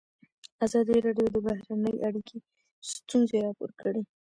ازادي راډیو د بهرنۍ اړیکې ستونزې راپور کړي.